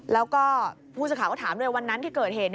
แล้วก็ผู้สื่อข่าวก็ถามด้วยวันนั้นที่เกิดเหตุ